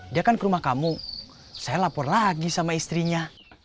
dia kan ke rumah kamu saya lapor lagi sama istrinya